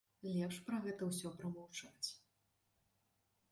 Лепш пра гэта ўсё прамаўчаць.